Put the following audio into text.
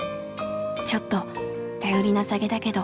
ちょっと頼りなさげだけど。